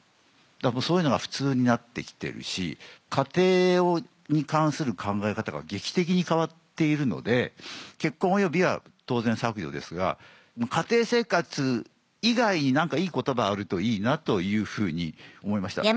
だからもうそういうのが普通になって来てるし家庭に関する考え方が劇的に変わっているので「結婚および」は当然削除ですが「家庭生活」以外に何かいい言葉あるといいなというふうに思いました。